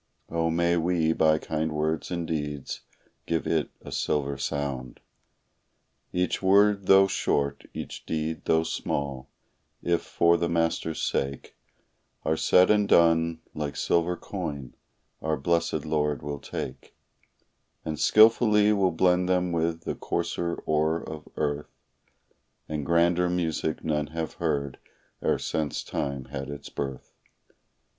Oh, may we, by kind words and deeds, give it a silver sound! Each word though short, each deed though small, if for the Master's sake Are said and done, like silver coin, our blessed Lord will take, And skillfully will blend them with the coarser ore of earth, And grander music none have heard e'er since time had its birth.